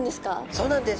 そうなんです。